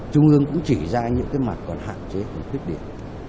trung ương cũng chỉ ra những cái mặt còn hạn chế còn khuyết điểm